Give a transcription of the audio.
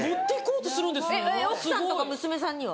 えっ奥さんとか娘さんには？